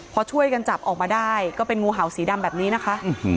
พอช่วยกันจับออกมาได้ก็เป็นงูเห่าสีดำแบบนี้นะคะ